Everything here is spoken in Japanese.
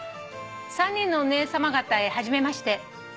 「３人のお姉さま方へ初めまして」